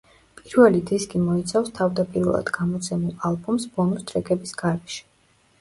პირველი დისკი მოიცავს თავდაპირველად გამოცემულ ალბომს ბონუს ტრეკების გარეშე.